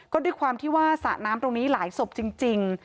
ก็ด้วยความที่ว่าสระน้ำตรงนี้หลายศพจริง